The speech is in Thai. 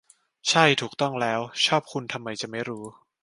ใช่ ถูกต้องแล้ว ชอบคุณทำไมจะไม่รู้